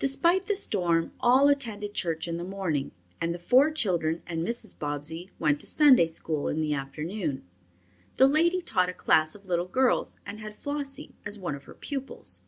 Despite the storm, all attended church in the morning, and the four children and Mrs. Bobbsey went to Sunday school in the afternoon. The lady taught a class of little girls and had Flossie as one of her pupils.